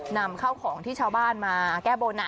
นำเข้าของที่ชาวบ้านมาแก้บน